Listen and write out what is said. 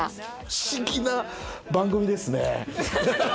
不思議な番組ですね。